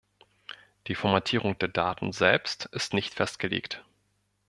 Die Formatierung der Daten selbst ist nicht festgelegt.